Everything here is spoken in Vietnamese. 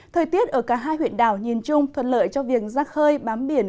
thời tiết ở cả hai huyện đảo nhìn chung thuận lợi cho việc rác hơi bám biển